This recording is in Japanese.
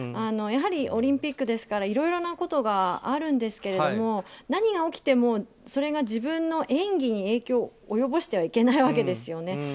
やはりオリンピックですからいろいろなことがあるんですけど何が起きてもそれが自分の演技に影響を及ぼしてはいけないわけですよね。